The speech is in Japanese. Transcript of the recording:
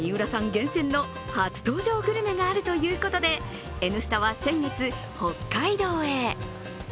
厳選の初登場グルメがあるということで「Ｎスタ」は先月、北海道へ。